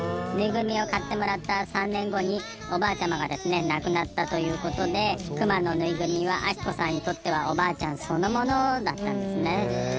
ぬいぐるみを買ってもらった３年後におばあちゃまが亡くなったということでクマのぬいぐるみは明子さんにとってはおばあちゃんそのものだったんですね。